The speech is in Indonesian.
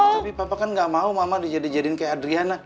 tapi papa kan nggak mau mama dijadikan kayak adriana